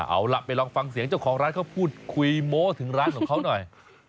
เอาล่ะไปลองฟังเสียงเจ้าของร้านเขาพูดคุยโม้ถึงร้านของเขาหน่อย